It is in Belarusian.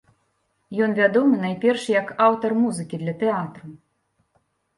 Ён вядомы найперш як аўтар музыкі для тэатру.